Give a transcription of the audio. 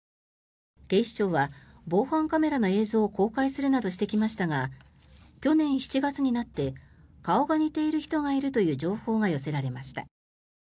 警視庁は、防犯カメラの映像を公開するなどしてきましたが去年７月になって顔が似ている人がいるという情報が寄せられました。